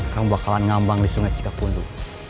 kamu bakalan ngambang di sungai cikapundung